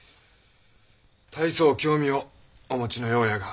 大層興味をお持ちのようやが。